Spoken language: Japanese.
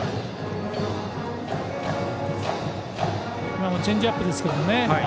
今もチェンジアップですけどね